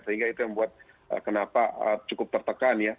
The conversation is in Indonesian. sehingga itu yang membuat kenapa cukup tertekan ya